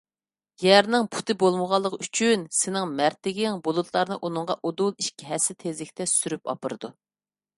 يەرنىڭ پۇتى بولمىغانلىقى ئۈچۈن سېنىڭ مەرتلىكىڭ بۇلۇتلارنى ئۇنىڭغا ئۇدۇل ئىككى ھەسسە تېزلىكتە سۈرۈپ ئاپىرىدۇ.